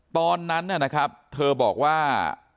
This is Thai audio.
ตอนนั้นนะครับเธอบอกว่า